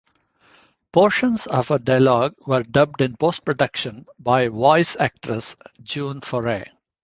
Portions of her dialogue were dubbed in post production by voice actress June Foray.